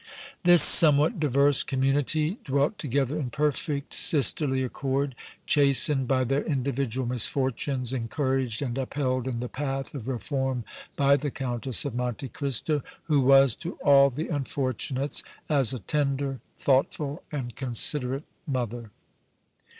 This somewhat diverse community dwelt together in perfect sisterly accord, chastened by their individual misfortunes, encouraged and upheld in the path of reform by the Countess of Monte Cristo, who was to all the unfortunates as a tender, thoughtful and considerate mother.